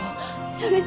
やめて！